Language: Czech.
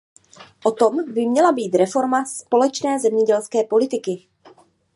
O tom by měla být reforma společné zemědělské politiky.